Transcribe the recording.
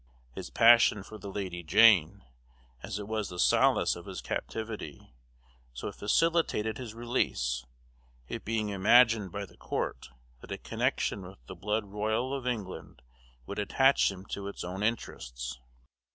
His passion for the Lady Jane, as it was the solace of his captivity, so it facilitated his release, it being imagined by the Court that a connection with the blood royal of England would attach him to its own interests.